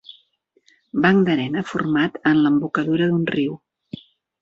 Banc d'arena format en l'embocadura d'un riu.